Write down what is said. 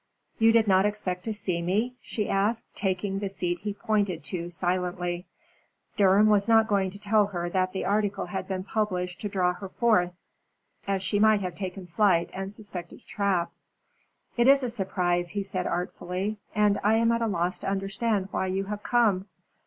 "You did not expect to see me?" she asked, taking the seat he pointed to silently. Durham was not going to tell her that the article had been published to draw her forth, as she might have taken flight and suspected a trap. "It is a surprise," he said artfully. "And I am at a loss to understand why you have come."